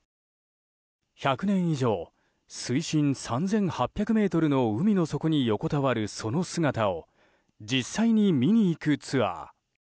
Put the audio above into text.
１００年以上、水深３８００ｍの海の底に横たわるその姿を実際に見に行くツアー。